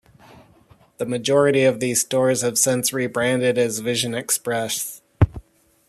The majority of these stores have since been rebranded as Vision Express.